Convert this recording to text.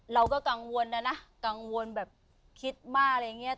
เราก็กังวลนะนะกังวลแบบคิดมากอะไรอย่างนี้